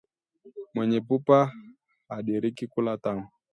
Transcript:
Mwenye pupa hadiriki kula tamu